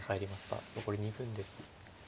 残り２分です。